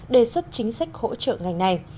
đề xuất chính sách hỗ trợ ngành này